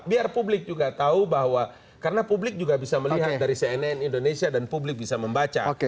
biar publik juga tahu bahwa karena publik juga bisa melihat dari cnn indonesia dan publik bisa membaca